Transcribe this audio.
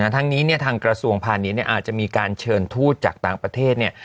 ทั้งนี้ทางกระทรวงพาณิชย์อาจจะมีการเชิญทูตจากต่างประเทศ